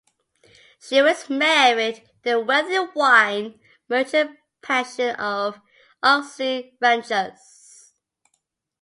She was married to the wealthy wine merchant Pasion of Oxyrhynchus.